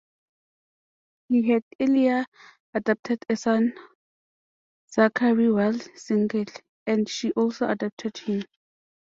He had earlier adopted a son Zachary while single, and she also adopted him.